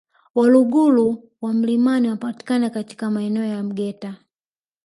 Waluguru wa milimani wanapatikana katika maeneo ya Mgeta